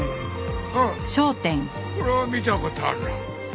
あっこれは見た事あるな。